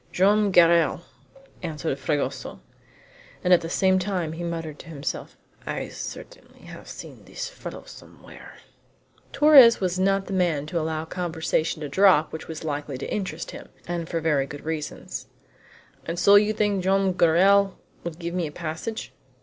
"Joam Garral," answered Fragoso. And at the same time he muttered to himself: "I certainly have seen this fellow somewhere!" Torres was not the man to allow a conversation to drop which was likely to interest him, and for very good reasons. "And so you think Joam Garral would give me a passage?"